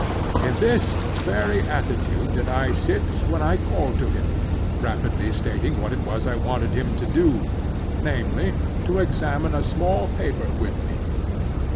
In this very attitude did I sit when I called to him, rapidly stating what it was I wanted him to do—namely, to examine a small paper with me.